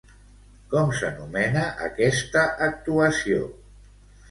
Com s'anomena aquesta actuació?